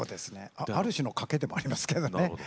ある種の賭けでもありますけれどもね。